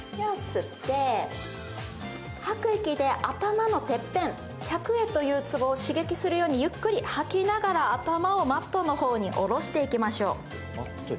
吐く息で頭のてっぺん、百会を刺激するようにゆっくり吐きながら頭をマットの方に下ろしていきましょう。